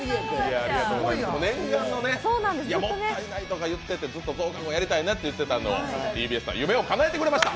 念願のね、もったいないとか言ってて、ずっと増刊号やりたいなって言ってたのをＴＢＳさん、夢をかなえてくれました。